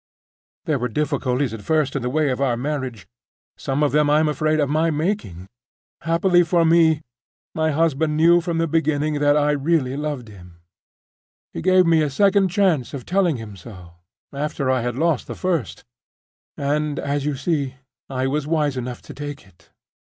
"There were difficulties at first in the way of our marriage, some of them, I am afraid, of my making. Happily for me, my husband knew from the beginning that I really loved him: he gave me a second chance of telling him so, after I had lost the first, and, as you see, I was wise enough to take it.